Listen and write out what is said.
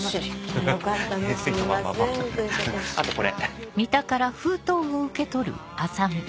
あとこれ。